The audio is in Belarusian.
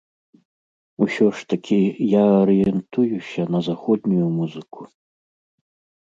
Усё ж такі, я арыентуюся на заходнюю музыку.